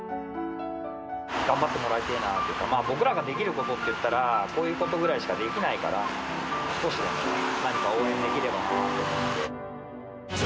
頑張ってもらいてえなっていうか、僕らができることっていったら、こういうことぐらいしかできないから、少しでも何か応援できればと思って。